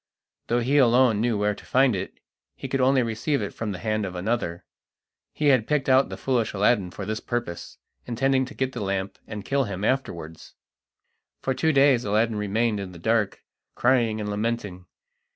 Though he alone knew where to find it, he could only receive it from the hand of another. He had picked out the foolish Aladdin for this purpose, intending to get the lamp and kill him afterwards. For two days Aladdin remained in the dark, crying and lamenting.